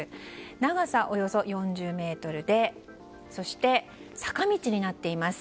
長さおよそ４０ｍでそして、坂道になっています。